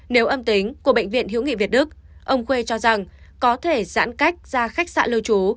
nếu âm tính của bệnh viện hữu nghị việt đức ông khuê cho rằng có thể giãn cách ra khách sạn lưu trú